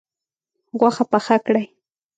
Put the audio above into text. غوښه پخه کړئ